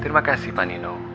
terima kasih pak nino